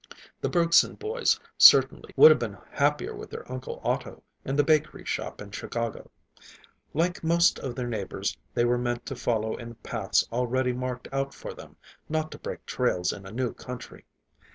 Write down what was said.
The Bergson boys, certainly, would have been happier with their uncle Otto, in the bakery shop in Chicago. Like most of their neighbors, they were meant to follow in paths already marked out for them, not to break trails in a new country.